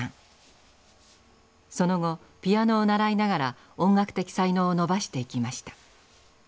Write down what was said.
その後ピアノを習いながら音楽的才能を伸ばしていきました。